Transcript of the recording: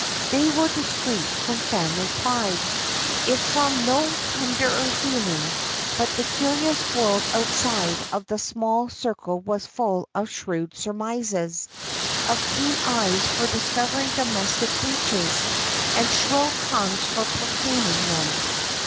They were discreet from family pride, if from no tenderer feeling; but the curious world outside of that small circle was full of shrewd surmises, of keen eyes for discovering domestic breaches, and shrill tongues for proclaiming them.